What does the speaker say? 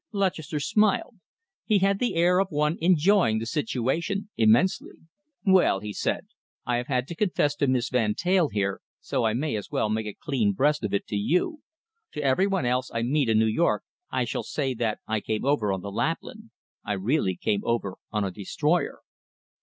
Lutchester smiled. He had the air of one enjoying the situation immensely. "Well," he said, "I have had to confess to Miss Van Teyl here, so I may as well make a clean breast of it to you. To every one else I meet in New York, I shall say that I came over on the Lapland. I really came over on a destroyer."